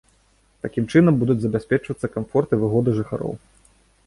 Такім чынам будуць забяспечвацца камфорт і выгода жыхароў.